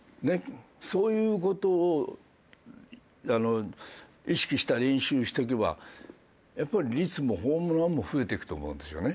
そういう事を意識した練習をしておけばやっぱり率もホームランも増えていくと思うんですよね。